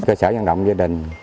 cơ sở giận động gia đình